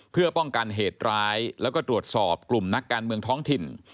เพื่อป้องกันเหตุร้ายแล้วก็ตรวจสอบกลุ่มนักการเมืองท้องถิ่น